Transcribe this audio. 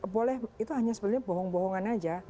boleh itu hanya sebenarnya bohong bohongan aja